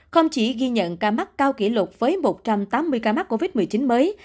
không chỉ ghi nhận ca mắc cao kỷ lục với một trăm tám mươi ca mắc covid một mươi chín mới